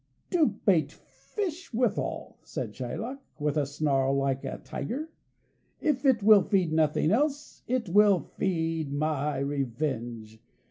"To bait fish withal," said Shylock, with a snarl like a tiger. "If it will feed nothing else, it will feed my revenge.